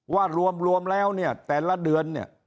ว่ารวมแล้วเนี่ยแต่ละเดือนเนี่ย